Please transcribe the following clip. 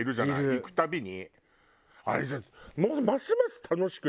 行く度に。